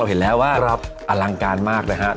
เห็นแล้วว่าอลังการมากนะครับ